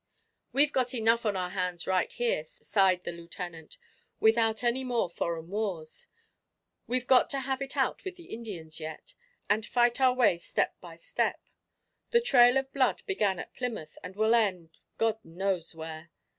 "We've got enough on our hands right here," sighed the Lieutenant, "without any more foreign wars. We've got to have it out with the Indians yet, and fight our way step by step. The trail of blood began at Plymouth and will end God knows where.